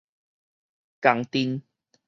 共陣